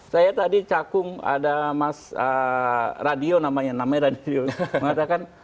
saya tadi cakung ada mas radio namanya namanya radio mengatakan